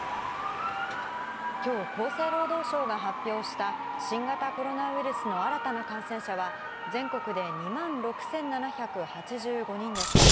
きょう、厚生労働省が発表した、新型コロナウイルスの新たな感染者は、全国で２万６７８５人でした。